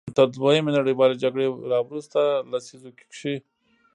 تر دویمې نړیوالې جګړې راوروسته لسیزو کې.